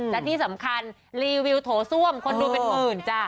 และที่สำคัญรีวิวโถส้วมคนดูเป็นหมื่นจ้ะ